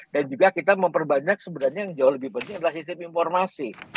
dan juga kita memperbanyak sebenarnya yang jauh lebih penting adalah sistem informasi